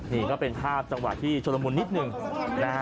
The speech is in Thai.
นี่ก็เป็นภาพจังหวะที่ชุลมุนนิดหนึ่งนะฮะ